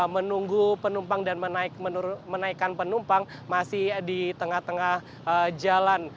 menunggu penumpang dan menaikkan penumpang masih di tengah tengah jalan